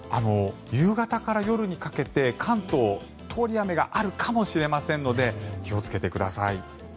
夕方から夜にかけて関東、通り雨があるかもしれませんので気をつけてください。